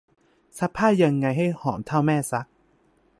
ซักผ้ายังไงให้หอมเท่าแม่ซัก